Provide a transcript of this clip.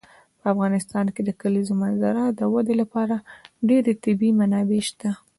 په افغانستان کې د کلیزو منظره د ودې لپاره ډېرې طبیعي منابع شته دي.